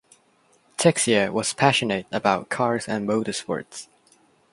Texier was passionate about cars and motorsports.